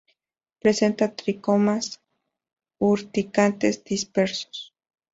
Presenta tricomas urticantes dispersos.